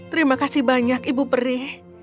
terima kasih banyak ibu peri